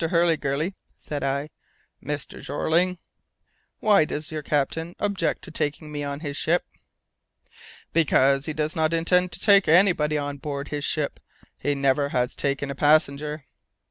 Hurliguerly?" said I. "Mr. Jeorling." "Why does your captain object to taking me on his ship?" "Because he does not intend to take anybody on board his ship. He never has taken a passenger."